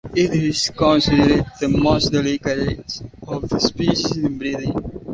It is considered the most delicate of the species in breeding.